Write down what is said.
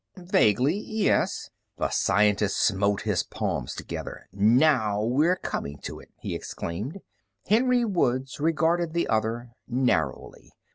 "Vaguely, yes." The scientist smote his palms together. "Now we're coming to it!" he exclaimed. Henry Woods regarded the other narrowly.